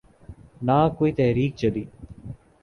نہ کوئی تحریک چلی۔